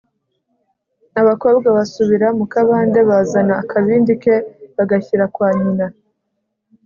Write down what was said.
abakobwa basubira mu kabande bazana akabindi ke, bagashyira kwa nyina.